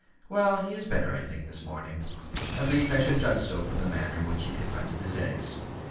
"Well, he is better, I think, this morning; at least I should judge so from the manner in which he confronted his eggs.